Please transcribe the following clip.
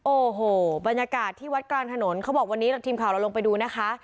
โอ้โหบรรยากาศที่วัดกลางถนนเขาบอกวันนี้ทีมข่าวเราลงไปดูนะคะ